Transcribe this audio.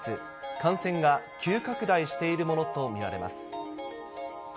感染が急拡大しているものと見られます。